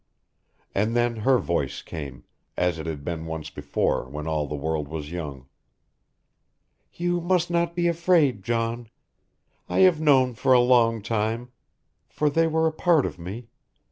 And then her voice came as it had been once before when all of the world was young. "You must not be afraid, John. I have known for a long time for they were a part of me.